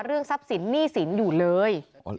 ทรัพย์สินหนี้สินอยู่เลย